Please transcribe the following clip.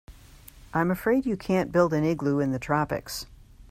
I'm afraid you can't build an igloo in the tropics.